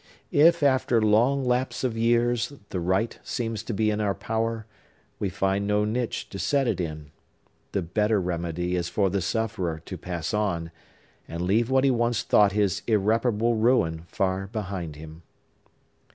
If, after long lapse of years, the right seems to be in our power, we find no niche to set it in. The better remedy is for the sufferer to pass on, and leave what he once thought his irreparable ruin far behind him.